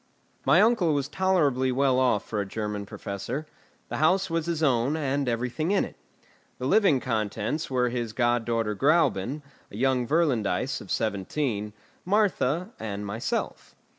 My uncle was tolerably well off for a German professor. The house was his own, and everything in it. The living contents were his god daughter Gräuben, a young Virlandaise of seventeen, Martha, and myself.